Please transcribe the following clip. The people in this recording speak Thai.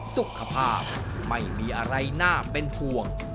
สุขภาพไม่มีอะไรน่าเป็นห่วง